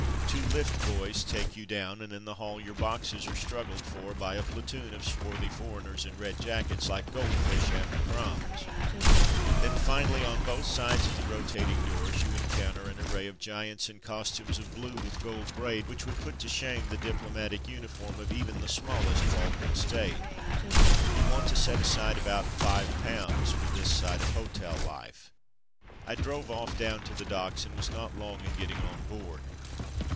Two lift boys take you down, and in the hall your boxes are struggled for by a platoon of swarthy for eigners in red jackets, like goldfish after crumbs. Then, finally, on both sides of the rotating doors, you encounter an array of giants in costumes of blue with gold braid, which would put to shame the diplomatic uniform of even the smallest Balkan State. A Devious Course 295 You want to set aside about five pounds for this side of hotel Ufe. I drove off down to the docks, and was not long in getting on board.